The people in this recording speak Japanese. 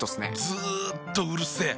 ずっとうるせえ。